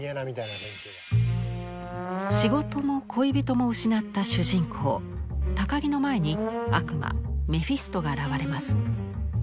仕事も恋人も失った主人公高木の前に悪魔メフィストが現れます。